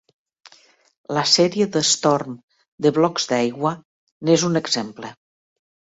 La sèrie The Storm de blocs d'aigua n'és un exemple.